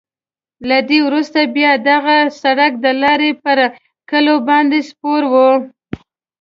له دې وروسته بیا دغه سړک د لارې پر کلیو باندې سپور وو.